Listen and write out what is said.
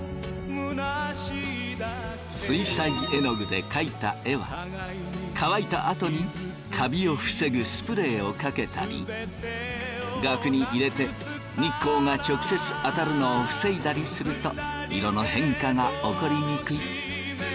水彩えのぐで描いた絵は乾いたあとにカビを防ぐスプレーをかけたり額に入れて日光が直接当たるのを防いだりすると色の変化が起こりにくい。